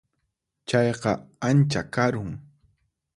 Chayqa ancha karun.